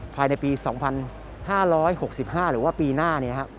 ภายในปี๒๕๖๕หรือว่าปีหน้าเนี่ยครับ